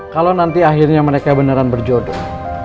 kalau nanti akhirnya mereka beneran berjodoh